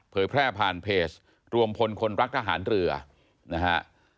แพร่ผ่านเพจรวมพลคนรักทหารเรือนะฮะ